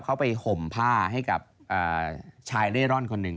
เขาไปห่มผ้าให้กับชายเร่ร่อนคนหนึ่ง